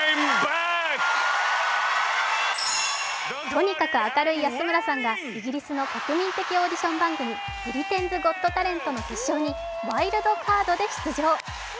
とにかく明るい安村さんがイギリスの国民的オーディション番組、「ブリテンズ・ゴット・タレント」の決勝にワイルドカードで出場。